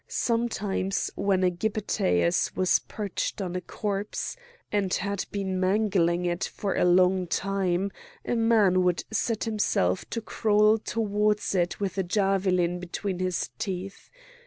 Sometimes when a gypaëtus was perched on a corpse, and had been mangling it for a long time, a man would set himself to crawl towards it with a javelin between his teeth.